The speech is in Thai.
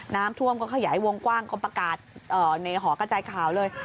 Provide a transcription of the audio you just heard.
น้ำท่วมให้กว้างก็ผ่างกนปรากาศในหอกระจายขาวเลย